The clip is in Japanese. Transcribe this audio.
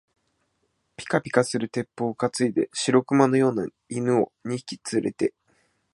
ぴかぴかする鉄砲をかついで、白熊のような犬を二匹つれて、